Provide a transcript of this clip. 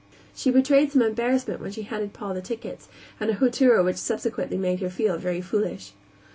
She betrayed some embarrassment when she handed Paul the tickets, and a hauteur which subsequently made her feel very foolish.